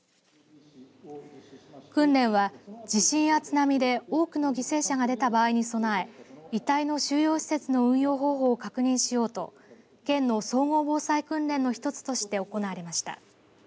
訓練は地震や津波で多くの犠牲者が出た場合に備え遺体の収容施設の運用方法を確認しようと県の総合防災訓練の一つとして行われました。